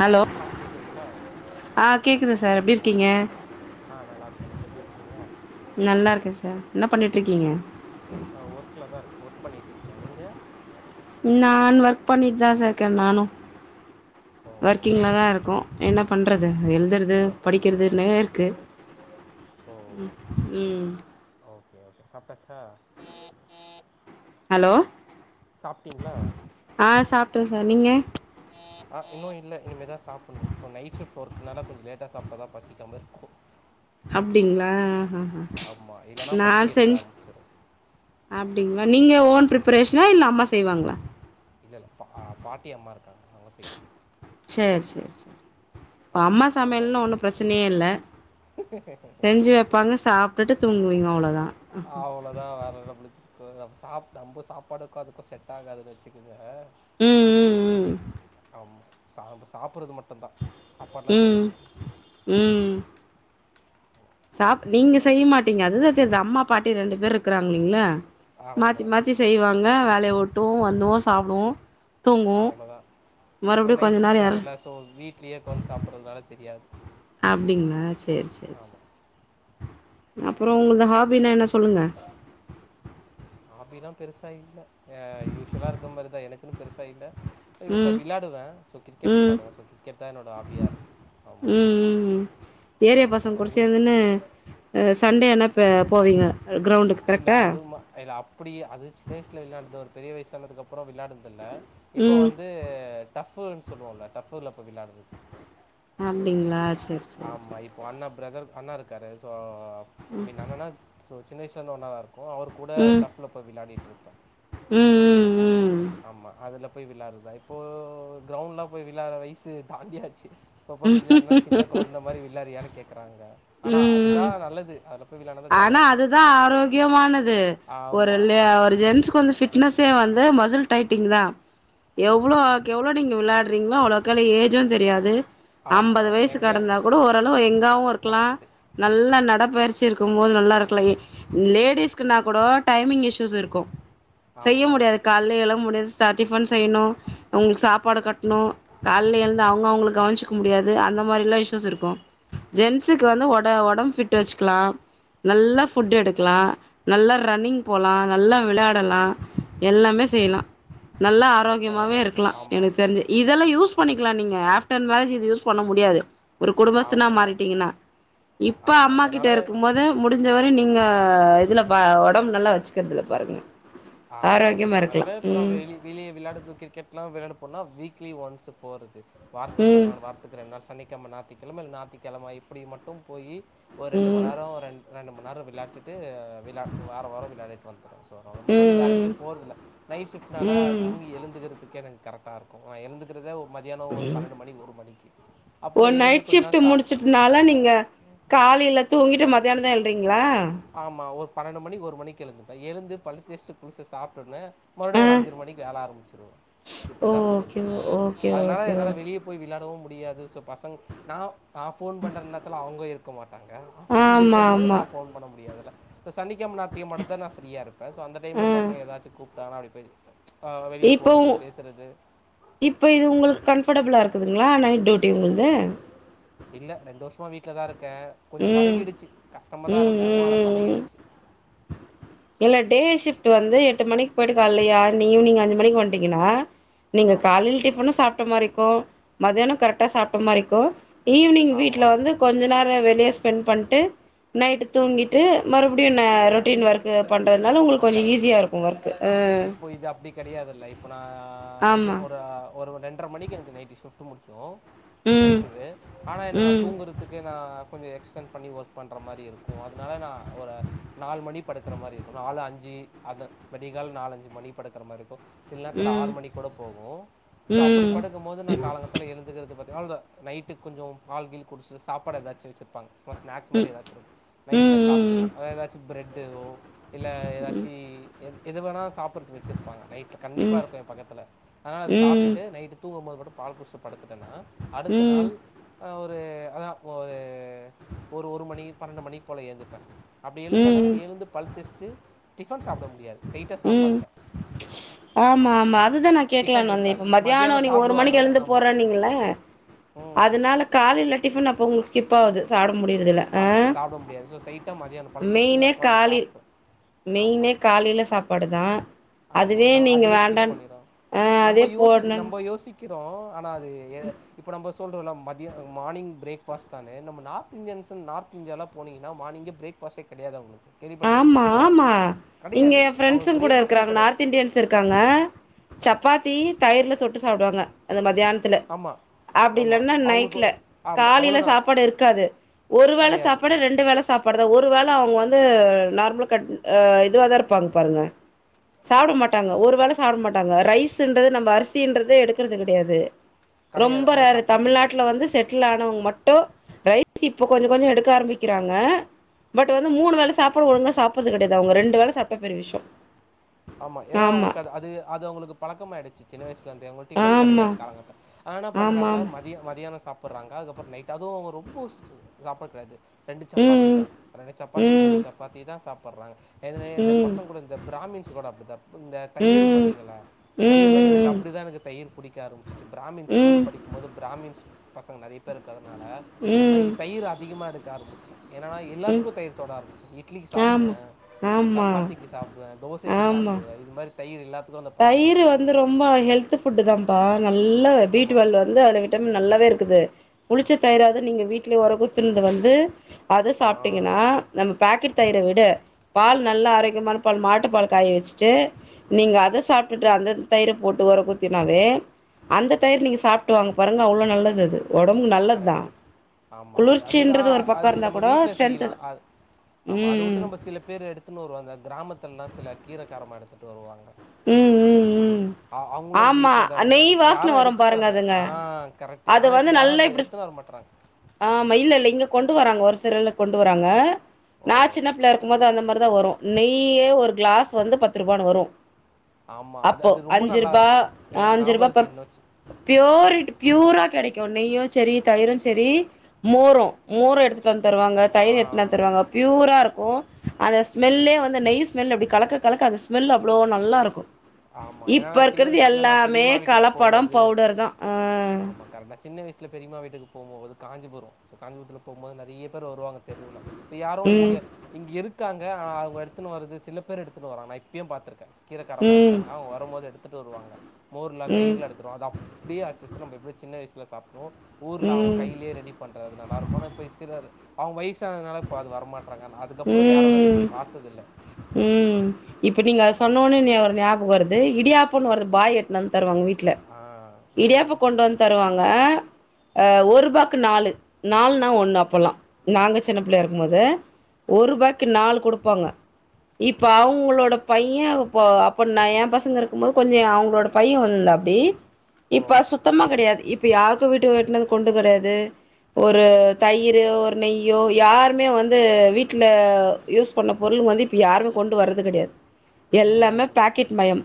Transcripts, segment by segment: Hello ஆ கேட்குதுங்களா ஆஹ கேக்குது சார் எப்டி எப்படி இருக்கீங்க ஆஹ் நல்லா இருக்கேன் நீங்க எப்டி இருக்கீங்க நல்லா இருக்கே சார் என்ன பண்ணிட்டு இருக்கீங்க ஹ் ஒர்க்ல தான் இருக்கு ஒர்க ஒர்க் பண்ணிட்டு இருக்கேன் நீங்க நான் ஒர்க் பண்ணிட்டுதான் சார் இருக்கேன் நானும் ஓ ஒர்க்கிங்ல தான் இருக்கோம் என்ன பண்றது எழுதுறது படிக்கறதுனேருக்கு ஓ உம் உம் ஓகே சாப்டாச்சா ஹலோ சாப்டீங்ளா ஆ சாப்ட்டே சார் நீங்க ஆ இன்னு இல்ல இனிமேதா சாப்பின்ணு இப்போ நைட் ஷிஃப்ட் ஒர்க்கனால கொஞ்சோ லேட்டா சாப்டா தா பசிக்காம இருக்கு அப்டிங்ளா ஆ ஹா ஆமாம் இல்லைனா நா பசி எடுக்க சென் ஆரம்பிச்சிடும் அப்டிங்ளா நீங்க ஓன் ப்ரிப்பரேஷனா இல்ல அம்மா செய்வாங்களா இல்லல்ல பா பாட்டி அம்மா இருக்காங்க அவங்க சேய் செரி செரி செரி அம்மா அதனால் சமையல்ன ஒண்ணு பிரச்சனையே இல்ல செஞ்சு வெப்பாங்க சாப் ப்ரடுத்துங்குவீங்ளா அவ்ளாத அவ்ளோதா வேறதபுடி அதாவது நம்ம சாப்ட அம்பு சாப்பாடுக்கதுக்கு செட் ஆகாதுனு வச்சுக்குங்க ம் ம் ம் சாப் சாப்டறது மட்டு தா ம் ம் சாப் நீங்க ஆ, செய்ய மாட்டீங்க அதுதா த் அம்மா பாட்டி ரெண்டு பேர் இருக்கிறாங்களிங்களா மாத்தி ஆமா. மாத்தி செய்வாங்க வே லே ஒட்டுவோ வந்துவோ சாப்டுவோ தூங்குவோ ஆ அவ்ளோதா மறுபடியு கொஞ்ச நைட் நேரோ ஷிஃப்ட் யாரு வேரல்ல சோ வீட்லேக்உகாந்த் சாப்றதுனால தெரியாது அப்படிங்கள செரி செரி ஆமா. செரி அப்புற உங்களது ஹாபிலா என்ன சொல்லுங்க ஹாபிலா பெருசா இல்ல அ யூஷுல இருக்க மாரி தா எனக்குனு பெருசா இல்ல யுசா ம் விளையாடுவே சோ கிரிக்கெட் ம் விளையாடுவே சோ கிரிக்கெட் தா என்னோட ஹாபியா இருக்கு ஆமா ம் ம் ம் ஏரியா ஆமா பசங்க கூட உங்களுக்கு சேந்துன்னு அ சண்டே என்ன பே போவீங்க கிரௌண்டுக்கு இல்ல கரெக்டா அதும இல்ல அப்டி அது சின்ன வயஸ்ல வெளியாண்டோ பெரிய வயசுானதுக்கப்அப்றோ விளானடுந்து தில்ல இப்போ ம் வந்து டஃபு சொல்வோல டஃப்புல இப்ப விளாடுது அப்டிங்ளா செ ஆமா இப்போ அண்ணே பிரதர் அண்ணா இருக்காரு ஆ மி நனனா சோ சின்ன வயசுல இருந்து ஒன்னதா இருக்கு ப்பவு அவர் கூட ம் டஃப்ல போய் விளாடிட்டு இருப்ப ம் ம் ஆமா அதுல போய் வெளாடறது தா இப்போ க்ரௌண்ட்னி போய் விளாட்ற வயசு தாண்டியாச்சு இப்பப்ப ம் விள்யானா சின்ன கொழந்த மாரி விள்யாறியானு கேக்குறாங்க ஆனா ம் அதுதா ம் நல்லது போய் விளையாடுனா தான் ஜாலியா ஆனா இருக்கும். அதுதா ஆரோக்கியமானது ஒரு ஆமா, ஒரு ஜென்ஸ்க்கு வந்து ஃபிட்னஸ் த் வந்து மசில் டைட்டிங் தா எவ்ளோக்கெவ்ளோ நீங்க வெளாடுறீங்களோ அவ்ளோகலோ ஏஜு தெரியாது ஆமா. ஐம்பது வயசு எங்க கடந்தா கூட ஓரளவு எங்காவு இருக்கலா கரெக்ட்டு. நல்ல நடப்பு வரச்சிருக் துங்குபோது நல்லா இருக்கல லேடிஸ்க்குனா கூட டைமிங் இஸ்சூஸ் இருக்கு செய்ய ஆமா, முடியாது கால்லே எழ முடியாது டிஃபன் செய்யணும் அவங்களுக்கு சாப்பாடு கட்டணும் கால்ல எழுந்து அவங்க அவங்கள கவனிச்சுக்க முடியாது அந்த மாதிரி எல்லாம் இஷ்யூஸ் இருக்கும் ஜென்ஸுக்கு வந்து உட உடம்பு ஃபிட் வச்சுக்கலாம் நல்லா ஃபுட் எடுக்கலா நல்லா ரன்னிங் போலா நல்லா விளையாடுலா எல்லாமே செய்லா நல்லா ஆரோக்கியமாவே கரெக்ட்டு. இருக்கலா ஆமா, எனக்கு தெரிஞ்சு இதல்லா யூஸ் பண்ணி க்களா நீங்க ஆஃப்டன் மேரேஜ்கு இது யூஸ் பண்ண முடியாது ஒரு குடும்பத்ஸ்தனா ஆமா, மாறிட்டீங்கன்னா இப்ப ஆமா. அம்மா கிட்ட அதனால இருக்க உம்மத முடிஞ்சவரை நீ ங்க இதுல பா உடம்பு நல்லா வச்சுக்குறதுல பாருங்க ஆமா ஆரோக்கியமா அதுதா இருக்கலா அதுனால அப்புற ம் வெளி வெளிய வெளாயாடுது கிரிக்கெட்லா வெளாடப் பொன்னா வீக்லி ஒன்ஸ்சு போறது வார்த்துக்கு ஒரு ம் நாள் வார்த்துக்குறேன்னால் சனிக் கெம நாத்திக்கெழமல் நாத்திக்கெழமப்படி மட்டு போயி ஒரு ம் ரெண்டுமண்நேரம் ரெண் ரெண்டுமண் அம் விளையாட்டு விளா வாரம் விளையாட்டு வந்துடும் ஸோ வேற ம் எங்கேயும் போற இல்ல நைட் ஷிப்ட் நால ம் தூங்கி எழுதுகிறதுக்க கரெக்ட் இருக்கும் நான் எழுந்துக்கிறதே ஒரு மதியானம் ஒரு மணி, மணிக்கு. ஒரு அப்புறம் எழுந்து நைட் கொஞ்ச சிப்ட் நேரம் சா முடிச்சுட்டுனால நீங்க காலில தூங்கிட்டு மத்த மத்தியாங்க ங்களா பனனொண்டு மணி ஒரு மணிக்குயேழுவிட்டேன் பல் டெஸ்ட் குளிசு சாப்பிடன்னே ஆ மறுபடியும் ஒரு அஞ்சு மணிக்கு வேலை ஆரம்பிச்சிருவம் இப்படித்தான் போகுது ஓகே ஓகே ஓகே அதனால ஓகே என்னால வெளியே போய் விளையாடவும் முடியாது பசங்க நான் நான் போபோன் பண்ற நேத்துல அவங்க இருக்க மாட்டாங்க ஆமா இருக்கும் போது ஆமா நான் போன் பண்ண முட்ட அதுல இப்ப சனிகிழமை ஞாயித்துகிழமை மட்டு தான் நான் ஃப்ரீ சோ அந்த டைம்ல பசங்க ஏதாச்ச கூப்பிட்டாங்க அப்படி பெத்த இப்ப உ இப்ப இது உங்களுக்கு கன் அஃபர்டபுளாக இருக்குதுங்களா நைட் டியூட்டி உங்களுக்கு இல்ல வீட்ல தான் இருக்கு இருக்கன் கொஞ்சம் ம் பழகிடுச்சு கஷ்டம தான் ம் இருக்கும் ஆனா ம் ம் பழகிடுச்சு இல்ல டே ஷிஃப்ட் வந்து எட்டு மணிக்கு போயிட்டுக்க இலல்லையா நீ ஈவினிங்ஞ்சு மணி வட்டீங்கன்னா நீங்க ஆமா. காலையில் டிஃபன்னும் சாப்பிட்ட மாதிரிக்கும் மதியியானம் கரெக்டா சாப்பிட்ட மாதிரிக்கும் ஈவினிங் வீட்டுல ஆமா. வந்து கொஞ்ச நேரம் வெளியே ஸ்பெண் பண்ணிட்டு நைட் தூங்கிட்டு மறுபடியும்ண்ண ரொட்டீன் ஒர்க் எத பன் கரெக்ட் ஆமா இப்போ இது அப்படி கிடையாதுல்ல இப்ப நான் அஞ்சு ஆமா ஒரு ரெண்டு எற்ற மணிக்கு நைட்டி ஷிஃப்ட் முடிகய ம் நைட்டு ஆனா என்னக்கு நான் ம் தூங்குறதுக்கு நான் கொஞ்சம் எக்ஸ பண்ணி ஒர்க் பண்ற மாதிரி இருக்கும் அதனால நான் ஒரு நாலு மணி படுக்கிற மாதிரி இருக்கும் நாலு அஞ்சு அந்த மடங்கால நாலஞ்சு மணி படுக்கிற மாதிரி இருக்கும் சில நேரத்துல ம் ஆறு மணி கூட போகும் ஸோ அப்படி ம் படுக்கும் போது நான் காலங்கத்தில்ல எழுந்துகிறது பற்றி நைட்டுக்கு கொஞ்சம் பால்குடிச்சட்டு சாப்பாடு ஏதாச்சும் வச்சிருப்பாங்க ஸ்நாக்ஸ் ம் மாதிரி ஏதாச்சு இருக்கு ம் நைட்ல ம் சாப்பிட்டுவே ஏதாச்சு பிரட்டொ இல்ல ஏதாச் வச்சு எ எது வேணா சாப்பிட்றக்கு வச்சருப்பாங்க நைட்டில் ம் கண்டிப்பாக ம் இருக்கும் என் பக்கத்தில் அதனால் அது ம் சாப்பிட்டுட்டு நைட்டு தூங்கும் போோது மட்டும் பால் குடிச்சுடு படுத்துட்டேன்னா அடுத்த ம் நாள் ஒரு அதான் ஒரு ஒரு ஒரு மணி பன்னெண்டு மணிக்கு போல ஏந்துப்பேன் அப்படி எழுந்தனா எழுந்து பல் தேச்சுட்டு டிஃபன் சாப்பிட முடியாது ஸ்ட்ரைட்டாக உம் சாப்பாடு தான் ஆமா ஆமாம் ஆமா அதுதான் நான் டிஃபன் கேக்கலனுு வந்து இருக்காது இப்ப மத்தியானம் நீங்க ஒரு மணிக்கு சாப்பிடுவாங்கல்ல எழுந்து போறே ஆமாம் நீங்கள ம் அதனால காலையில டிஃபன் அப்ப உங்களுக்கு கிப்பாகுது சாடொ ஆமா சாப்பிட முடியாதுோ சைட்டம் மதியியான பழத்தைச்சுன்னான் மெயினே உட்காந்து காலை சாப்பிடுரு மெயினே காலையில சாப்பாடுதா உம் ஆமா ந அதையே ஸ்கிப் பண்ணறோம் ஆ நம்ம அதே யோசி போடணுன் நம்ம யோசிக்க க்கிறோ ஆனா அது இப்ப நம்ம சொல்ற மம் மார்ிங்ேபாஸ தான நம்த இந்தியன்் இந்தியாவ போனீங்கா மார்னிங்கே பிரோஸ கிடையாது உங்க ஆமா ஆமா இங்க கெடையாது. அவங்களுக்கு பிரண்ட்ஸ்ங்க கூட இருக் பிரேக்ஃபாஸ்ட்டே ங்க கெடையாது. நார்த் இன்டியன் இருக்காங்க சப்பாத் டீ தயிரல சுட்டு சாப்படுவாங்க அந்த மாதிரி தானத்தில்ல ஆமா, அப்படி ஆமா. இல்லைன்னா அவங்களுக்கு நைட்ல ஆமா காலையில அவ்வளோதான். சாப்பாடு இருக்காது ஒரு வேளை கெடையாது, சாப்பாடு ரெண்டு வேலை சாப்பாடு ஒரு வேளை அவங்க வந்து நார்மல் இதுவ தான் இருப்பாங்க பாருங்க சாப்பிட மாட்டாங்க ஒரு வேளை சாப்பிட மாட்டாங்க ரைஸ்து நம்ம அரிசித எடுக்கறிறது கிடையாது கெடையாது. ரொம்ப அவங்க ரேரு சப்பாத்தி தான். தமிழ்நாட்டுல வந்து செட்டில் ஆனவங்க மட்டும் ரைஸ் இப்ப கொஞ்சம் கொஞ்சம் எடுக்க ஆரம்பிக்கிறாங்க பட் வந்து மூணு வேலை சாப்பாடு ஒழுங்கா சாப்பது கிடையாது உங்க ரெண்டு வேலை சாப்பிட்ட பெரிய விஷயம் ஆமா ஏன்னா அவங்களுக்கு அது அது அவங்களுக்கு பழக்கம ஆயிடுச்சு சின்ன வயசுல இருந்து அவங்களுக்கு டிபன் ஆமா கிடையாது காலங்கத்தல்ல ஆனா என்ன ஆமா ஆமா பண்றாங்க மதிய மதியியான சாப்பா சடுறாங்க அதுக்கப்புறம் நைட அதுவும் அவங்க ரொம்ப சாப்பிடக்கிடடாது ரெண்டு சப்பாத்தி ம் தான் ரெண்டு ரெண்டு சப்பாத்திதா இரண்டு சப்பாத்தி மூணு ம் சப்பாத்தி தா சாப்பிடுறாங்க இந்த ம் பசங்க கூட இந்த பிராமின்ஸ் போடப்பத இந்த தயிர் ம் ம் சொன்னீங்கள தயிர்லாம் எனக்கு ம் அப்படிதான் எனக்கு தயிர் புடிக்க ஆரம்பிச் பிராமின் ம் ஸ்கூல் ம் படிக்கும்போது பிராமின் பசங்க நிறைய பேருக்கு அனால நான் ம் தயிர் அதிகமா எடுத்து காரபச்சன் என்னன்னா ம் எல்லாத்துக்கும்தயிர் தொட ஆரம்பிச்சு இட்லிக்கு ஆமா சாப்பிடுவேன் ஆமா சப்பாத்திக்கு சாப்படுவேன் தோசைக்கு ஆமா சாப்டுவா இது மாரி தயிரில்லா தயிர் வந்து ரொம்ப ஹெல்த் ஃபுட்டு் தான்ப்பா நல்லா நல்ல பீட் ஆமாம் வால வந்து அல விட்டமின் நல்லாவே இருக்குது புளிச்ச தயிரது நீங்க வீட்டுலயே உர குத்துருது வந்து அது ஆ சாப்பிட்டீங்னா நம்ம பேக்கெட் தயிர வீட பால் நல்ல ஆரோக்கியமான பால் மாட்டு பால் காய வச்சுட்டு நீங்க அதை சாப்பிட்டு அந்த தயிர் போட்டு உர குத்தினாவே அந்த தயிர் நீங்கள் சாப்பிட்டு வாங்க பாருங்க அவ்வளோ நல்லது அது ஒடம்புக்கு நல்லது தா கரெக்ட் ஆமா அதுதான் குளிர்ச்சின்றது ஒரு பக்கோ அது இருந்தா நம்ம கூட வீட்டுல ஸ்ட்ரென்த் செய்யலாம் ஆமா அதை ம் விட்டு நம்ம சில பேர் எடுத்து வருவ கிராமத்து ல்லாம் சில கீரைகாரம் எடுத்துட்டு வருவாங்க ம் ம் ம் அ அவ்ங்களு அந்த ஆமா வீட்ல இருதா எடுத்டு நெய் வருது இப்ப யாரு வாசன வரும் எடுத்துட்டு பாருங்க வரல அதுங்க ஆஹ் கரெக்ட் ஆனா இப்ப யாரும் அது எடுத்துன்னு வர மாட்டுறாங்க ஆஹ மயில் இல் இங்க கொண்டு வராங்க ஒரு சிறில் கொண்டு வராங்க ஓ நான் சின்ன பிள்ளை இருக்கும் போது போது அந்த மாதிரி தான் வரும் நெய்யே ஒரு கிளாஸ் வந்து பத்து ரூபான்னு வரும் ஆமாம் அது அப்போ அது ரொம்ப அஞ்சி நல்லா ரூபா இருக்கும் எனக்கு அஞ்சி ஞாபகம் ரூபா இருக்கு பத் இன்னும் பியோர்ட்டு ப்யூராக கிடைக்கும் நெய்யும் சரி தயிரும் சரி மோரம் மோரம் எடுத்துட்டு வந்து தருவாங்க ஆ தயிர் எடுண தருவாங்க பியூரா இருக் அந்த ஸ்மெல்லே வந்து நய் ஸ்மெல் அப்படி கலக்க கலக்க அந்த ஸ்மெல் அவ்வளோ நல்லா இருக்கும் ப்ப ஆமாம் ஏன்னா இப்ப நான் சின்ன இருக்கிறது வயசில் நான் எல்லாமே பெரியம்மா வீட்டுக்கு கலப்படம் போகும்போது பவுடர் தான்ஹ சில பெரியமா வீட்டுக்கு போவுபோது காஞ்சிபுரம் காஞ்ரத்ல் போவும்போது நிறய வருவாங்க தெருவில்ல இ யாரும் இங்க ம் இங்க இருக்கு இருக்காங்க அவங்க எடுத்துன் வருது சில பேர் எடுத்துட்டு வராங்க இப்பயு பாத்துருக்கே கீரகாரமாக இருக் ம் அவங்க வரும் போது எடுத்து ட்டு வருவாங்க மோர்ல ம் தயர்ல எடுத்துடும் அது அப்படியேச்சு நம்ம எப்படி சின்ன வயசுல அப்புறம் ஊர்ல அவங்க ம் கையிலயே ரெடி பண்ணுறது நல்லாயிருக்கும் ஆனா இப்போ சிலர் அவங்க வயசுஅனதால இப்ப அது வரமாட் ங்க அதுக்கப்புற யாரும் அதது ப்த்ததில்லை உம் இப்ப நீங்க அத சொன்னோனே ஒரு ஞாபக வருது இடியாப்பும் வருது பாய் எடுத்துட்டு தருவங்க வீட்டு ஆ. ம். இடியாப்ப கொண்டு வந்து தருவாங்க ஒரு ரூபாயு நாலு நாலுா ஒண்ணு அப்பல்லாம் நாங்க சின்ன பிள்ளை இருக்கும்பது ஒரு ரூபாய்க்கு நாலு கொடுப்பாங்க இப்ப அவங்களோட பையன் இப்ப அப்ப நான் என் பசங்க இருக்கும் போது கொஞ்சம் அவங்களோட பையன் வந்திருந்தா அப்படி ஓ! இப்ப சுத்தமா கிடையாது இப்ப யாரு வீட்டுட்டுந்து கொண்டு கிடையாது ஒரு தயிர் ஒரு நெய்யோ யாருமே வந்து வீட்டுல யூஸ் பண்ண பொருள் வந்து இப்போ யாரும் கொண்டு வரது கிடையாது எல்லாமே ம். பாக்கெட் மயம்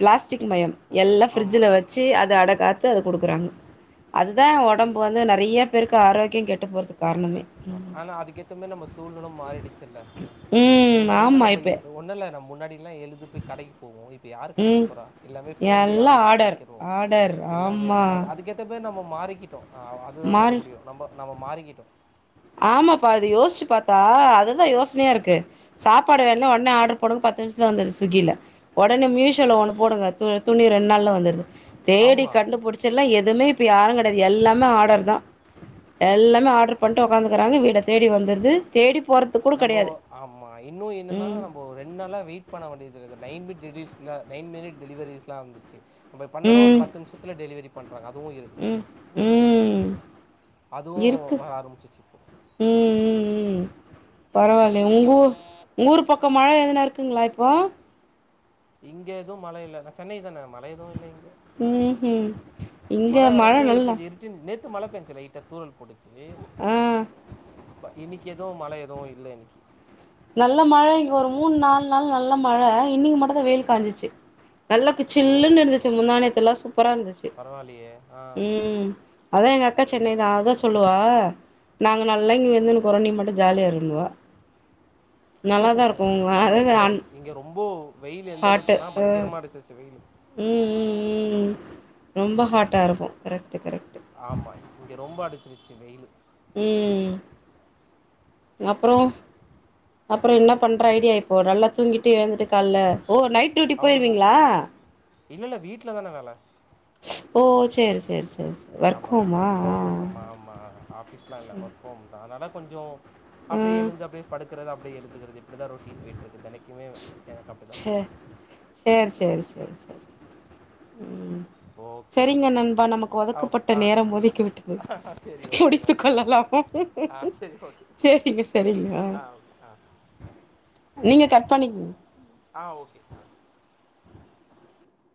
ப்ளஸ் ஓ! எல்லாம் ஆமா. பிரிட்ஜல வச்சு அதை அடகா த்த அத குடுக்குறாங்க அதுதான் கரெக்ட். இ உடம்பு வந்து நிறைய பேருக்கு ஆரோக்கி கெட்டப் போ ஆ ஆனா அதுக்கேத்தமே நம்ம சூழ்நிலும் மாறிடுச்சுல்ல ம் முன்னாடி இதல்லாம் ஆமா நம்ம இப்ப ஒன்னுமில்ல இத முன்னாடி எழு போய் கடைக்கு போவோம் இப்ப யாரு கடைக்கு ம் போற எல்லாமே போன் எல்லா ஆடர் பண்ணிக்கோம் ஆடர் எல்லாமே ஆமா அதுக்கேத்த நம்ம மாறிகிட்டோ அதுதா சொல்ல மாறி முடியு நம்ப நம்ம மாறிக்கிட்டோ ஆமாப்பா அது யோசிச்சு பாத்தா அதுதா யோசனையா இருக்கு. சாப்பாடு வேண்ணா உடனே ஆர்ட்ரு போடுங்க பத்து நிமிஷத்துல வந்துருது ஸ்விக்கில. ஒடனே மீஸோல ஒண்ணு போடுங்க து துணி ரெண்டு நாள்ல வந்துருது தேடி ஆமா. கண்டுபிடிச்சு எல்லா எதுமே இ ப்ப யாருங் கெடையாது எல்லாமே ஆடர்தா எல்லாமே ஆர்ட்ரு பண் ட்டு ஒக்காந்துக்கிறாங்க வீட தேடி வந்திருது தேடி போறதுக்கு கூட நம்போ கெடையாது ஆமா இன்னு என்னன்னா ம் நம்போ ரெண்டு நாள்லா வெயிட் பண்ண வேண்டியதில்ல நைன் மிட் டெலிஸ்ல நைன் மினிட் டெலிவரீஸ்லா வந்துட்ச்சு நம்ம பண்ணுனோ ஒரு ம் பத்து நிமிஷத்தில டெலிவரி பண்றாங்க அதுவு இருக்குது ம் ம் அதுவு இருக்கு வர ஆரம்பிச்சிருச்சு இப்போ ம் ம் ம் பரவால்லயே உங்க ஊ உங்க ஊர் பக்கோ மழ எதுனா இருக்குங்களா இப்போ? இங்க எதும் மழ இல்ல நா சென்னைதான மழ எதுவு இல்ல இங்க. ம் ம் இங்க மழ வந்து நல்லா கொஞ்சோ இருட்டினு நேத்து மழ வந்த்ச்சு லைட்டா தூறல் போட்டுச் சு ஆ ப இன்னிக் கி எதுவு மழ எதுவு இல்ல இன்னக்கி நல்ல மழ இங்க ஒரு மூணு நாலு நாள் நல் ல மழ இன்னக்கி மட்டுந்தா வெயில் காஞ்சிருச்சு நல்லா கு ஓ சில்லுன்னு இருந்துச்சு முந்தா நேத்தல்லா சூப்பரா இருந்துச்சு பரவாயில்லையே ஆ ம் அதா எங்க அக்கா இன்னைக்கு சென்னைதா அதா சொல்லுவா அ நாங்க நல்லா இங்க வெந்துனுக்குறோ நீ மட்டு ஜாலியா இருன்னுவா நல்லாதா இருக்கு ஆமா அதாவது இங்க அன் இங்க ரொம்போ வெயிலு எந்த ஹாட்டு அளவுக்குன்னா பயங்கரமா அடிச்சிருச்சு வெயிலு ம் ம் ம் ம் ரொம்ப ஹாட்டா இருக்கு கரெக்ட்டு கரெக்ட் ஆமா இங்க ரொம்ப அடிச்சிரு ச்சு வெயிலு ம் அப்றோ அப்றோ என்ன பண்ற ஐடியா இப்போ நல்லா தூங்கிட்டு எழுந்துரு காலல ஓ நைட் ட்யூட்டி அவ்வளோதான் போயிருவீங்களா? இல்லை இல்லை வீட்டில் தானே வேலை ஓ சேரி சேரி சேரி சே ஆமா ஒர்க் ஃப்ரம் ஹோம் ஆமா ஆமா ஆஃபீஸ்லா இல்ல சேரி ஒர்க் ஹோம்தா அதனால கொஞ்சோ அப்டியே ம் எழுந்து அப்டியே படுக்கறது அப்டியே எழு ந்துக்கிறது இப்பிடிதா ரொட்டீன் போயிட்ருக்கு தெனக் ச்சே சேரி சேரி சேரி சேரி ம் ஓகே செரிங்க ஓகே நண்பா ஓகே நமக்கு ஆ ஓகே ஒதுக்கப்பட்ட ஆ நேரம் முதுக்கி விட்டது சரி ஓகே முடித்துக் நன்றி ரொம்ப கொள்ளலாமா நன்றி ஆ சரி ஓகே சேரிங்க செரிங்க ஆ ஓகே ஆ நீங்க கட் பண்ணிக்கங்க ஆஹ் ஓகே ஆஹ்